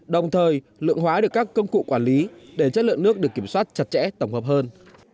đồng thời lượng hóa được các công cụ quản lý để chất lượng nước được kiểm soát chặt chẽ tổng hợp hơn